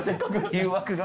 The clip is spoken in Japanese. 誘惑が。